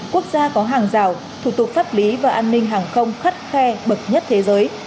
quốc gia có hàng rào thủ tục pháp lý và an ninh hàng không khắt khe bậc nhất thế giới